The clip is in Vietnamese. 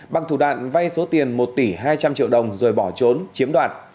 bằng thủ đoạn vay số tiền một tỷ hai trăm linh triệu đồng rồi bỏ trốn chiếm đoạt